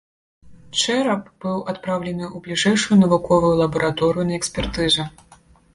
Чэрап быў адпраўлены ў бліжэйшую навуковую лабараторыю на экспертызу.